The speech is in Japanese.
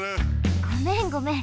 ごめんごめん。